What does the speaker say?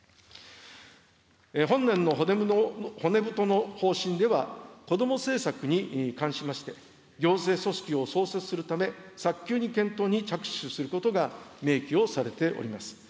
本年の骨太の方針では、子ども政策に関しまして、行政組織を創設するため、早急に検討に着手することが明記をされております。